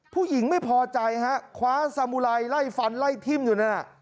ผู้หญิงไม่พอใจฮะคว้าสามุไรไล่ฟันไล่ทิ่มอยู่นั่นน่ะ